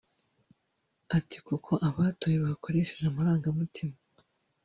Ati “Kuko abatoye bakoresheje amarangamutima